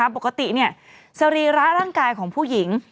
ปกติสรีระร่างกายของผู้หญิง